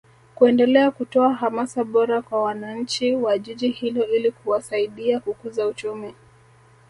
kuendelea kutoa hamasa bora kwa wananchi wa Jiji hilo ili kuwasaidia kukuza uchumi